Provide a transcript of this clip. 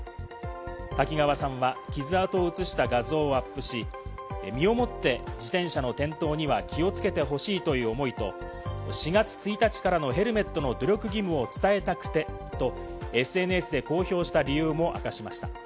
滝川さんは傷跡を写した画像をアップし、身をもって自転車の転倒には気をつけてほしいという思いと、４月１日からのヘルメットの努力義務を伝えたくてと、ＳＮＳで公表した理由も明かしました。